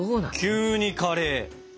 急にカレー？